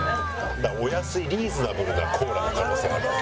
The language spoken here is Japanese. だからお安いリーズナブルなコーラの可能性があるわけ。